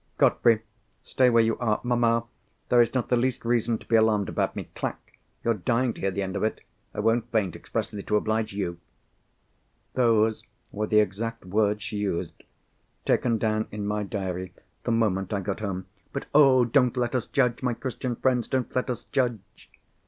"Godfrey, stay where you are. Mamma, there is not the least reason to be alarmed about me. Clack, you're dying to hear the end of it—I won't faint, expressly to oblige you." Those were the exact words she used—taken down in my diary the moment I got home. But, oh, don't let us judge! My Christian friends, don't let us judge!